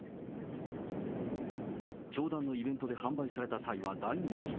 教団のイベントで販売された際は大人気。